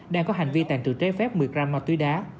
đang có hành vi tàn trự trái phép một mươi gram ma túy đá